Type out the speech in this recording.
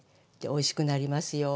おいしくなりますよ。